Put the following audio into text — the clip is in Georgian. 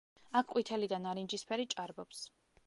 აქ ყვითელი და ნარინჯისფერი ჭარბობს.